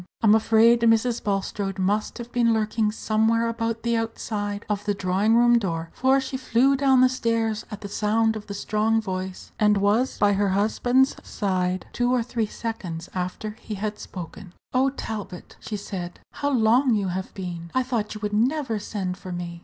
I'm afraid Mrs. Bulstrode must have been lurking somewhere about the outside of the drawing room door, for she flew down the stairs at the sound of the strong voice, and was by her husband's side two or three seconds after he had spoken. "Oh, Talbot," she said, "how long you have been! I thought you would never send for me.